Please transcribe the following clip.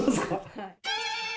はい。